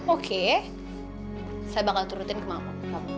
oke saya bakal turutin ke mako